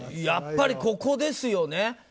やっぱりここですよね。